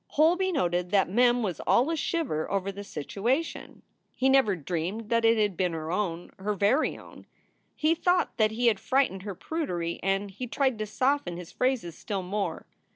Holby noted that Mem was all ashiver over the situa tion. He never dreamed that it had been her own, her very own. He thought that he had frightened her prudery and he tried to soften his phrases still more.